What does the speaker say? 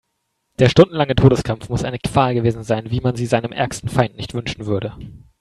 Der stundenlange Todeskampf muss eine Qual gewesen sein, wie man sie seinem ärgsten Feind nicht wünschen würde.